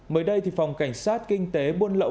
mới đây phòng cảnh sát kinh tế buôn lậu